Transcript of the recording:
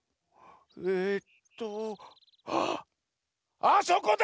えっとあっあそこだ！